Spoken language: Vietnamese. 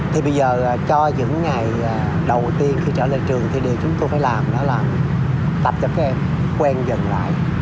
thì bây giờ cho những ngày đầu tiên khi trở lên trường thì chúng tôi phải làm đó là tập cho các em quen dần lại